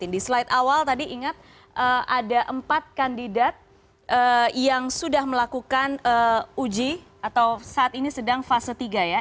di slide awal tadi ingat ada empat kandidat yang sudah melakukan uji atau saat ini sedang fase tiga ya